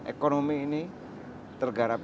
ekonomi ini tergarap